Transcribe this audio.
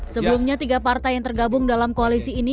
sebelumnya tiga partai yang tergabung dalam koalisi ini